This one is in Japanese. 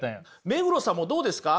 目黒さんもどうですか？